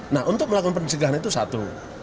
nah untuk melakukan pencegahan itu satu